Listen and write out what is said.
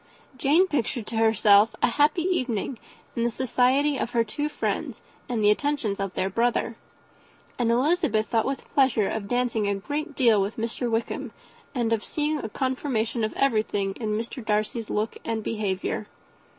Jane pictured to herself a happy evening in the society of her two friends, and the attentions of their brother; and Elizabeth thought with pleasure of dancing a great deal with Mr. Wickham, and of seeing a confirmation of everything in Mr. Darcy's look and behaviour.